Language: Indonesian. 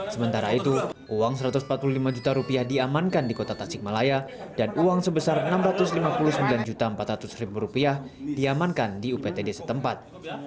sementara itu uang rp satu ratus empat puluh lima juta rupiah diamankan di kota tasikmalaya dan uang sebesar rp enam ratus lima puluh sembilan empat ratus diamankan di uptd setempat